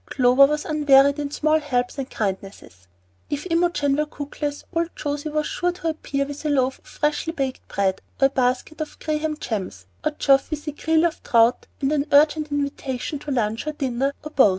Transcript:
Clover was unwearied in small helps and kindnesses. If Imogen were cookless, old José was sure to appear with a loaf of freshly baked bread, or a basket of graham gems; or Geoff with a creel of trout and an urgent invitation to lunch or dinner or both.